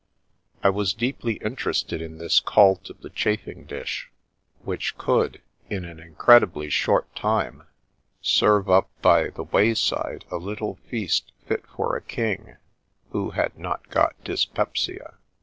I was deeply interested in this cult of the chafing dish, which could, in an incredibly short time, serve 26 The Princess Passes up by the wayside a little feast fit for a king — ^who had not got dyspepsia.